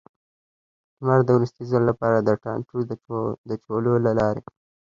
لمر د وروستي ځل لپاره، د ټانټو د چولو له لارې.